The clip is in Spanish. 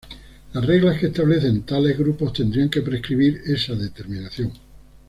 Las reglas que establecen tales grupos tendrían que prescribir esta determinación.